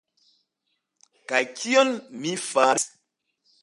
Kaj kion mi faris?